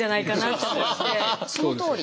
そのとおり。